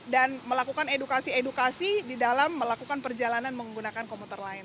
dan melakukan edukasi edukasi di dalam melakukan perjalanan menggunakan komuter lain